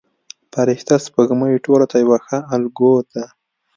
فرشته سپوږمۍ ټولو ته یوه ښه الګو ده.